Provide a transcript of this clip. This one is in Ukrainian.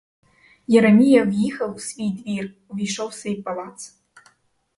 Єремія в'їхав у свій двір, увійшов у свій палац.